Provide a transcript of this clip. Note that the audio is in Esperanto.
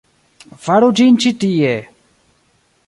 Faru ĝin ĉi tie!